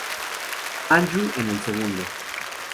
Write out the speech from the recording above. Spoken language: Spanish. Andrew en El Segundo.